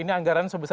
ini anggaran kesehatan